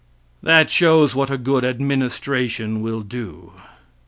That shows what a good administration will do.